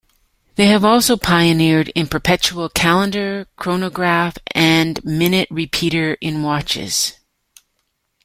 They have also pioneered in perpetual calendar, chronograph and minute repeater in watches.